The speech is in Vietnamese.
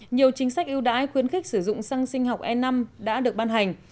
nhiều chính sách ưu đãi khuyến khích sử dụng xăng sinh học e năm đã được ban hành